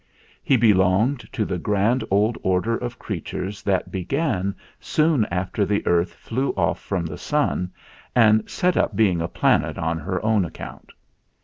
He be longed to the grand old order of creatures that began soon after the Earth flew off from the Sun and set up being a planet on her own ac count.